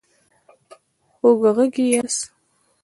خوږغږي ياست